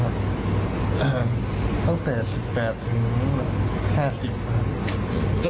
ตั้งแต่๑๘ถึง๕๐ครับ